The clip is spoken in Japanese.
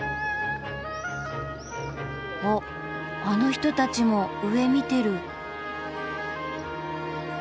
おっあの人たちも上見てる。